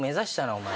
お前。